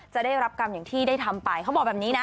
ได้รับกรรมอย่างที่ได้ทำไปเขาบอกแบบนี้นะ